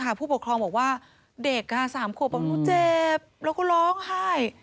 ใช่ค่ะผู้ปกครองบอกว่าเด็กค่ะ๓ขวบอันนู้นเจ็บแล้วก็ร้องไห้